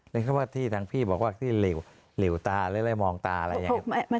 นึกขึ้นว่าที่ทางพี่บอกว่าที่เหลวตามองตาอะไรอย่างนั้น